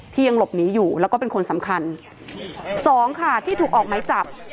ยังหลบหนีอยู่แล้วก็เป็นคนสำคัญสองค่ะที่ถูกออกไม้จับ